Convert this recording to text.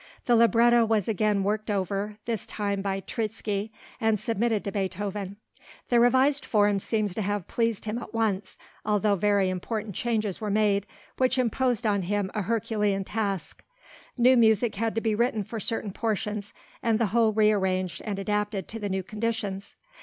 The libretto was again worked over (this time by Treitschke), and submitted to Beethoven. The revised form seems to have pleased him at once, although very important changes were made which imposed on him a herculean task. New music had to be written for certain portions, and the whole rearranged and adapted to the new conditions.